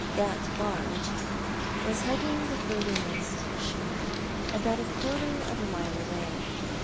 That barge " was hugging the furthermost shore, about a quarter of a mile away.